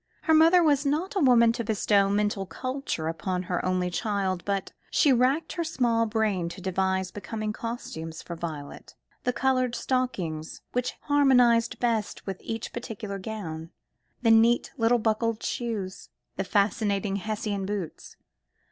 Her mother was not a woman to bestow mental culture upon her only child, but she racked her small brain to devise becoming costumes for Violet: the coloured stockings which harmonised best with each particular gown, the neat little buckled shoes, the fascinating Hessian boots.